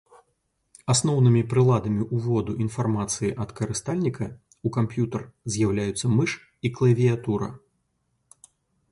Асноўнымі прыладамі ўводу інфармацыі ад карыстальніка ў камп'ютар з'яўляюцца мыш і клавіятура.